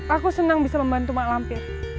aku senang bisa membantu mak lampir